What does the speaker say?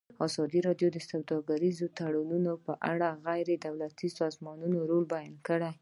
ازادي راډیو د سوداګریز تړونونه په اړه د غیر دولتي سازمانونو رول بیان کړی.